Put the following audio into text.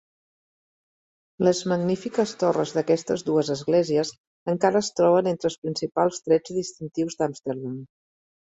Les magnífiques torres d'aquestes dues esglésies encara es troben entre els principals trets distintius d'Amsterdam.